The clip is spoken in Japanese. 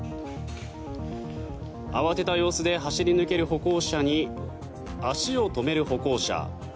慌てた様子で走り抜ける歩行者に足を止める歩行者。